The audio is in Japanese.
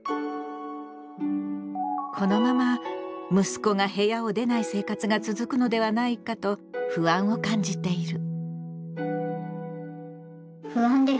このまま息子が部屋を出ない生活が続くのではないかと不安を感じている。